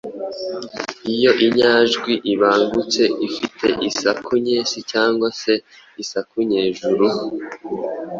Iyo inyajwi ibangutse ifite isaku nyesi cyangwa se isaku nyejuru.